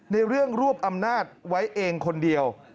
ในเรื่องรวบอำนาจไว้เองคนเดียว